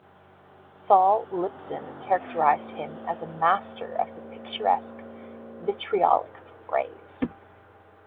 Sol Liptzin characterized him as a master of the picturesque vitriolic phrase.